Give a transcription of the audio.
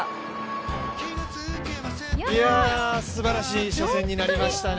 すばらしい初戦になりましたね。